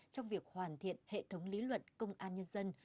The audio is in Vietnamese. trong việc hoàn thiện hệ thống lý luận công an nhân dân